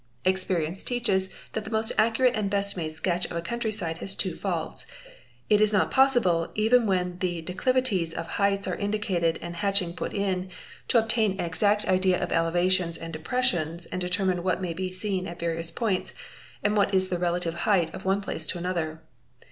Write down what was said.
Experience teaches that the most accurate nd best made sketch of a countryside has two faults: it is not possible, even when the declivities of heights are indicated and hatching put in, to D5 RE EE. PARTIE AI KAR ROA RERY RTA AN TEST 98 sem k8 TNL obtain an exact idea of elevations and depressions and determine what Thay be seen at various points and what is the relative height of one | y ce to another.